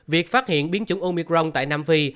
việc phát hiện biến chủng omicron tại nam phi